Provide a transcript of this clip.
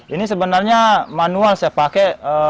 ini sebenarnya manual saya pakai